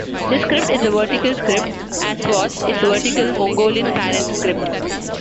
This script is a vertical script, as was its 'vertical Mongolian' parent script.